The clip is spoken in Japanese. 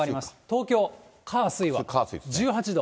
東京、火、水は１８度。